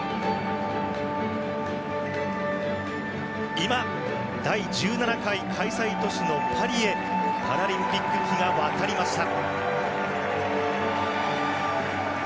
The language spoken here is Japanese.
今、第１７回開催都市のパリへパラリンピック旗が渡りました。